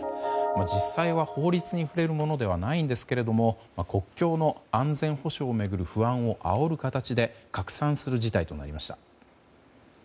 実際は法律に触れるものではないんですけれども国境の安全保障を巡る不安をあおる形で拡散する事態となりました。